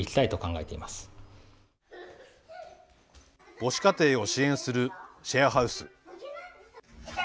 母子家庭を支援するシェアハウス。